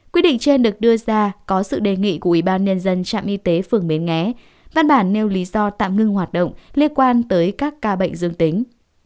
quy định trên được đưa ra có sự đề nghị của ubnd trạm y tế phường bến nghé văn bản nêu lý do tạm ngưng hoạt động liên quan tới các ca bệnh dương tính